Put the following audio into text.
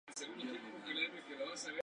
Will You Be There?